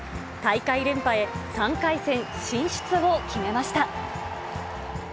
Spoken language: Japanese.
大会連覇へ、３回戦進出を決めました。